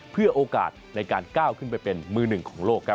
เพื่อโอกาสในการก้าวขึ้นไปเป็นมือหนึ่งของโลกครับ